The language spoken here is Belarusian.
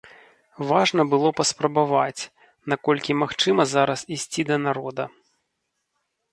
Важна было паспрабаваць, наколькі магчыма зараз ісці да народа.